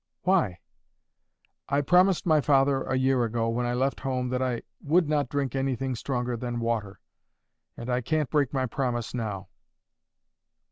"Why?" "I promised my father a year ago, when I left home that I would not drink anything stronger than water. And I can't break my promise now."